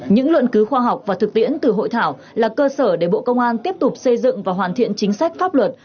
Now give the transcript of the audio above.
những luận cứu khoa học và thực tiễn từ hội thảo là cơ sở để bộ công an tiếp tục xây dựng và hoàn thiện chính sách pháp luật